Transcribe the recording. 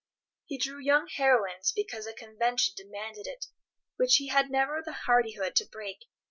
He drew young heroines because a convention demanded it, which he had never the hardihood to break.